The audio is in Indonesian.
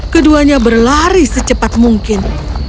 keduanya berlari secepat mungkin